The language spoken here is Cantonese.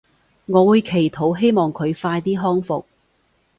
我會祈禱希望佢快啲康復